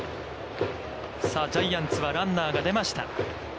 ジャイアンツはランナーが出ました。